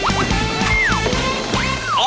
อ๋อปะจ๋อ